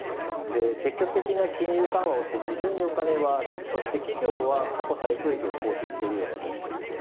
積極的な金融緩和をして市場にお金はあるそして企業は過去最高益を更新している状況です。